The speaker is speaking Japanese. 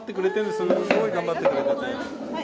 すごい頑張ってくれてて。